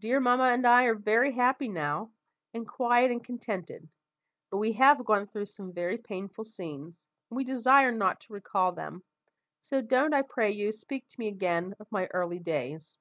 "Dear mamma and I are very happy now, and quiet and contented: but we have gone through some very painful scenes, and we desire not to recall them; so don't, I pray you, speak to me again of my early days."